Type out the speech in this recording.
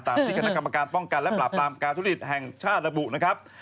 ที่คณะกรรมการป้องกันและปราบปรามการทุจริตแห่งชาติระบุนะครับ